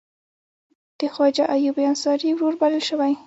د خواجه ایوب انصاري ورور بلل شوی.